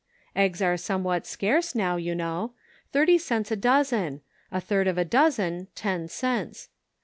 Eggs are somewhat scarce now, you know; thirty cents a dozen ; a third of a dozen, ten cents.